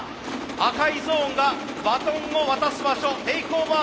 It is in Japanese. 赤いゾーンがバトンを渡す場所テイクオーバーゾーン。